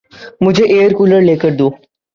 مجھے air cooler لے کر دو